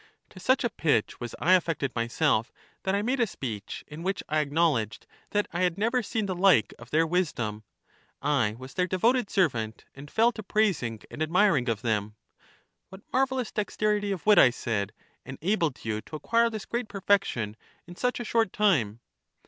To such a pitch was I affected myself, that I made a speech, in which I acknowledged that I had never seen the like of their wisdom; I was their devoted servant, and fell to praising and admiring of them. What marvellous dexterity of wit, I said, enabled you to acquire this great perfection in such a short time?